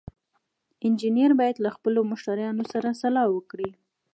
انجینر باید له خپلو مشتریانو سره سلا وکړي.